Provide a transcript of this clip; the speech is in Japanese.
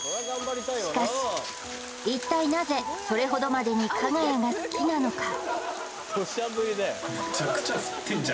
しかし一体なぜそれほどまでに加賀谷が好きなのか？